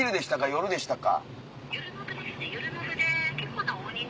夜でしたか？